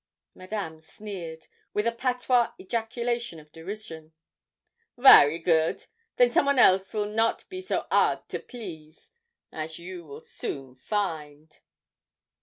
Madame sneered, with a patois ejaculation of derision. 'Vary good! Then some one else will not be so 'ard to please as you will soon find.'